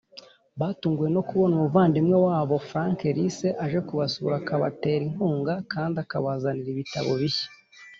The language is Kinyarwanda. Batunguwe no kubona umuvandimwe Frank Rice aje kubasura akabatera inkunga kandi akabazanira ibitabo bishya